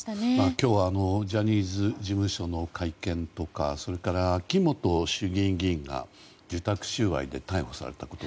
今日はジャニーズ事務所の会見とかそれから秋本衆議院議員が受託収賄で逮捕されたこと。